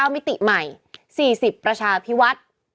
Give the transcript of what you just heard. มิติใหม่๔๐ประชาพิวัฒน์